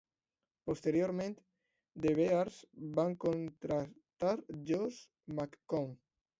Posteriorment, The Bears van contractar Josh McCown.